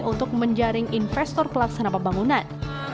untuk menjaring investor pelaksana pembangunan